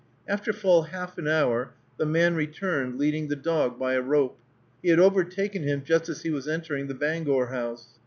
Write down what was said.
After full half an hour the man returned, leading the dog by a rope. He had overtaken him just as he was entering the Bangor House.